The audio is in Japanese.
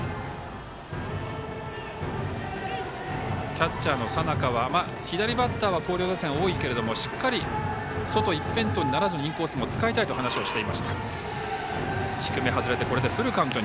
キャッチャーの佐仲は左バッターは広陵打線多いけれども、しっかり外一辺倒にならずにインコースも使いたいと話していました。